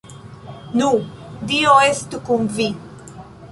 Nu, dio estu kun vi.